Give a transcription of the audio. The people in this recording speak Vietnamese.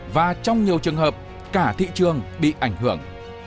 và trong nhiều trường hợp cả thị trường bị ảnh hưởng